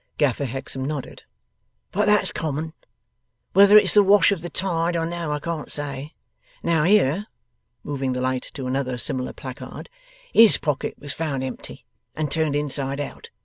Gaffer Hexam nodded. 'But that's common. Whether it's the wash of the tide or no, I can't say. Now, here,' moving the light to another similar placard, 'HIS pockets was found empty, and turned inside out.